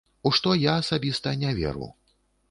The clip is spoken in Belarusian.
У што я асабіста не веру.